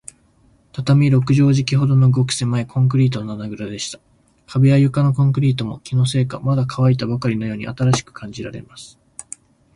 畳六畳敷きほどの、ごくせまいコンクリートの穴ぐらでした。壁や床のコンクリートも、気のせいか、まだかわいたばかりのように新しく感じられます。